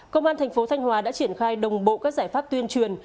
công an thành phố thanh hòa đã triển khai đồng bộ các giải pháp tuyên truyền